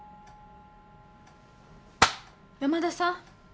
山田さん。